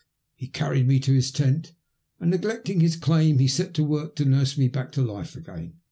He carried me to his tent, and, neglecting his claim, set to work to nurse me back to life again.